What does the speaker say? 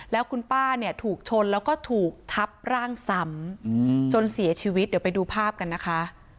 แล้วคุณป้าเนี่ยถูกชนแล้วก็ถูกทับร่างซ้ำจนเสียชีวิตเดี๋ยวไปดูภาพกันนะคะ